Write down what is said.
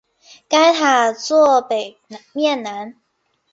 该塔座北面南。